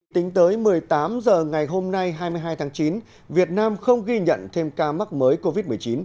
tính tới một mươi tám h ngày hôm nay hai mươi hai tháng chín việt nam không ghi nhận thêm ca mắc mới covid một mươi chín